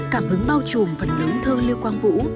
cảm hứng bao trùm phần lớn thơ lưu quang vũ